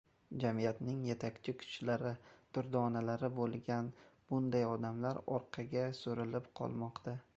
Jamiyatning yetakchi kuchlari, durdonalari bo‘lgan bunday odamlar orqaga surilib qolmoqda.